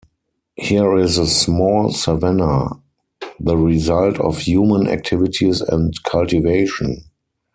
Here is a small savanna-the result of human activities and cultivation.